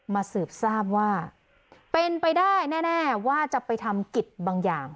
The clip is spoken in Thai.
สืบทราบว่าเป็นไปได้แน่ว่าจะไปทำกิจบางอย่าง